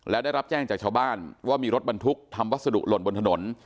และได้รับแจ้งจากชาวบ้านว่ามีรถบรรทุกทำวัสดุหล่นบนถนน